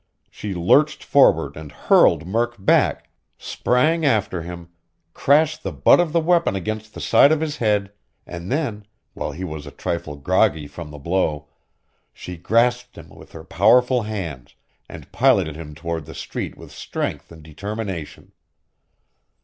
She lurched forward and hurled Murk back, sprang after him, crashed the butt of the weapon against the side of his head, and then, while he was a trifle groggy from the blow, she grasped him with her powerful hands and piloted him toward the street with strength and determination.